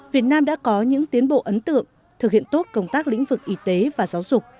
việt nam đã có những tiến bộ ấn tượng thực hiện tốt công tác lĩnh vực y tế và giáo dục